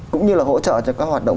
cũng như là hỗ trợ cho các hoạt động